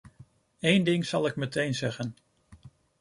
Eén ding zal ik meteen zeggen.